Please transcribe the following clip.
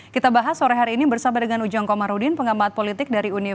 kita bahas sore hari ini bersama dengan ujang komarudin pengamat politik dari universitas